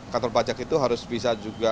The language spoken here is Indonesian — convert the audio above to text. kantor pajak itu harus bisa juga